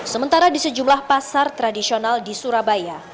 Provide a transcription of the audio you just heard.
sementara di sejumlah pasar tradisional di surabaya